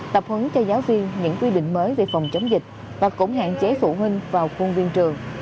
tập huấn cho giáo viên những quy định mới về phòng chống dịch và cũng hạn chế phụ huynh vào khuôn viên trường